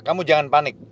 kamu jangan panik